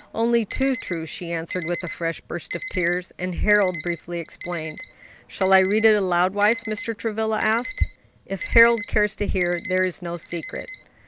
"Only too true," she answered, with a fresh burst of tears; and Harold briefly explained. "Shall I read it aloud, wife?" Mr. Travilla asked. "If Harold cares to hear. There is no secret."